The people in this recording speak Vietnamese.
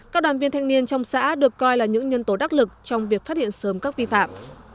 các đoàn viên thanh niên trong xã được coi là những nhân tố đắc lực trong việc phát hiện sớm các vi phạm